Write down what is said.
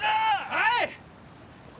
はい！